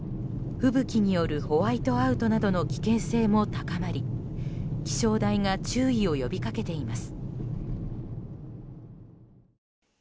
吹雪によるホワイトアウトなどの危険性も高まり気象台が注意を呼びかけています。